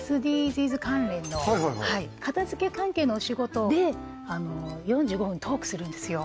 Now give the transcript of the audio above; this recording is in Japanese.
ＳＤＧｓ関連のはい片づけ関係のお仕事で４５分トークするんですよ